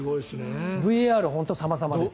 ＶＡＲ、本当にさまさまです。